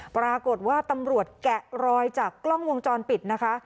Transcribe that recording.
ปรากฏว่าตำรวจแกะรอยจากกล้องวงจรปิดนะคะ